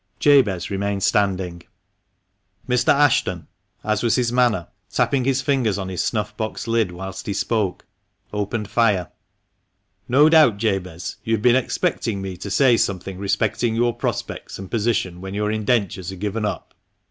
Jabez remained standing. 254 THE MANCHESTER MAN. Mr. Ashton, as was his manner, tapping his fingers on his snuff box lid whilst he spoke, opened fire, " No doubt, Jabez, you have been expecting me to say something respecting your prospects and position when your indentures are given up